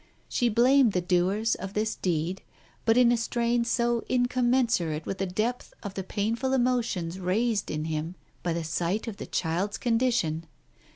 She blamed the doers of this deed, but in a strain so incommensurate with the depth of the painful emotions raised in him by the sight of the child's condition.